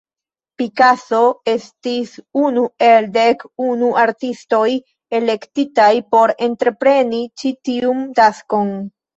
Picasso estis unu el dek unu artistoj elektitaj por entrepreni ĉi tiun taskon.